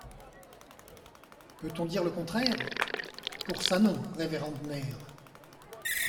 Peut-on dire le contraire ? Pour ça non, révérende mère.